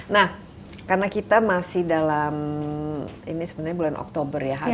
nah karena kita masih dalam ini sebenarnya bulan oktober ya